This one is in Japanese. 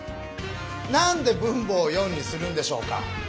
なんで分母を４にするんでしょうか？